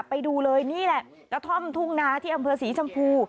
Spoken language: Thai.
ไปดูเลยนี่แหละกระท่อมทุ่งนาที่อำเภอศรีชมพู